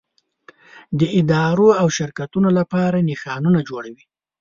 د ادارو او شرکتونو لپاره نښانونه جوړوي.